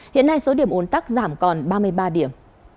hiện nay số điểm ồn tắc giảm còn ba mươi ba điểm